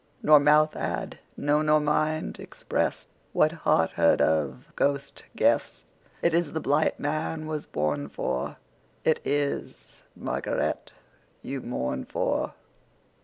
Nor mouth had, no nor mind, expressedWhat heart heard of, ghost guessed:It ís the blight man was born for, It is Margaret you mourn for.